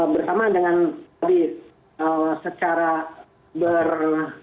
bersama dengan tadi secara ber